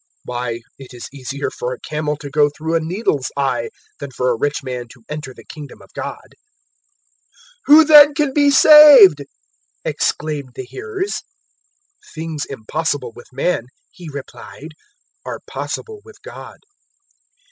018:025 Why, it is easier for a camel to go through a needle's eye than for a rich man to enter the Kingdom of God." 018:026 "Who then can be saved?" exclaimed the hearers. 018:027 "Things impossible with man," He replied, "are possible with God."